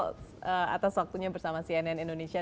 terima kasih pak narsot atas waktunya bersama cnn indonesia